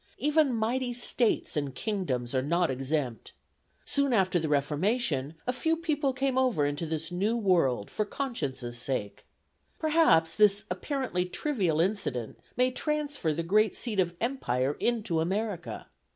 Even mighty states and kingdoms are not exempt. ... Soon after the Reformation, a few people came over into this new world for conscience's sake. Perhaps this apparently trivial incident may transfer the great seat of empire into America.